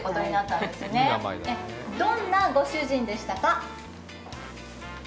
どんなご主人でしたか？